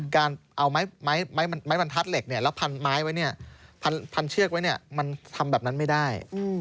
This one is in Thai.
การเอาไม้บรรทัดเหล็กแล้วพันไม้ไว้เนี่ยพันเชือกไว้มันทำแบบนั้นไม่ได้